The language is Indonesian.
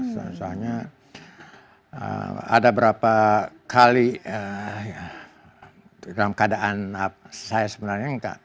soalnya ada beberapa kali dalam keadaan saya sebenarnya